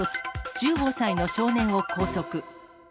１５歳の少年を拘束。